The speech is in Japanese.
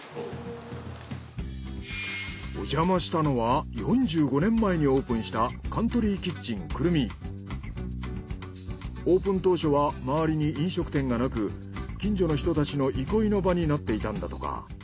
おじゃましたのは４５年前にオープンしたオープン当初は周りに飲食店がなく近所の人たちの憩いの場になっていたんだとか。